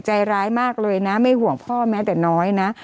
ใจร้ายมากเลยนะไม่ห่วงพ่อแม้แต่น้อยนะ